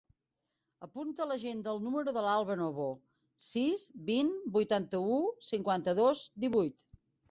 Apunta a l'agenda el número de l'Alba Novo: sis, vint, vuitanta-u, cinquanta-dos, divuit.